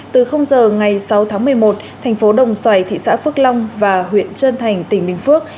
từ giờ ngày sáu tháng một mươi một thành phố đồng xoài thị xã phước long và huyện trơn thành tỉnh bình phước